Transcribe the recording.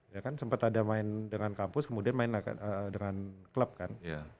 ya kan sempat ada main dengan kampus kemudian main dengan klub kan